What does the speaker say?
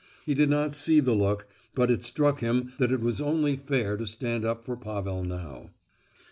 He did not see the look; but it struck him that it was only fair to stand up for Pavel now.